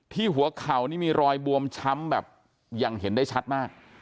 หัวเข่านี่มีรอยบวมช้ำแบบอย่างเห็นได้ชัดมาก